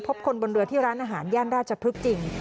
คนบนเรือที่ร้านอาหารย่านราชพฤกษ์จริง